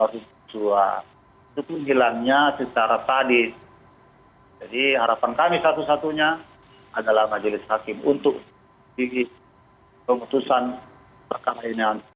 rosti mengaku kecewa dan sedih lantaran tuntutan tersebut dianggap terlalu ringan